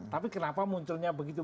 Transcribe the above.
tapi kenapa munculnya begitu